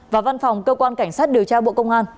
và văn phòng cơ quan cảnh sát điều tra bộ công an